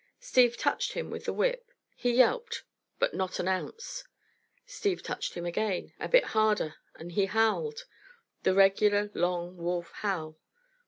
Steve touched him with the whip. He yelped, but not an ounce. Steve touched him again, a bit harder, and he howled the regular long wolf howl.